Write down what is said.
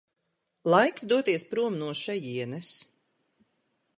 Laiks doties prom no šejienes.